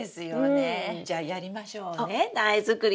じゃあやりましょうね苗作り。